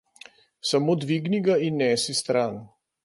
Samo dvigni ga in nesi stran.